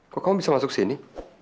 kok kamu bisa masuk sini